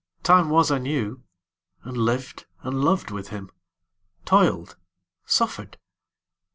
Time was I knew, and lived and loved with him; Toiled, suffered.